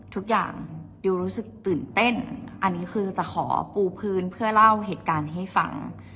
ทุกอย่างยูรู้สึกตื่นเต้นอันนี้คือจะขอปูพื้นเพื่อเล่าเหตุการณ์ให้ฟัง